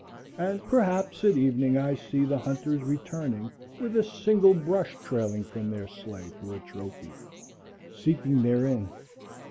And perhaps at evening I see the hunters returning with a single brush trailing from their sleigh for a trophy, seeking their inn.